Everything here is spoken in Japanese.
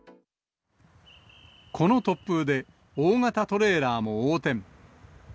この突風で、大型トレーラーも横転。